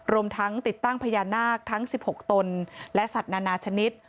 รวมทั้งติดตั้งพญานาคทั้ง๑๖ตนและสัตว์นานาชนิด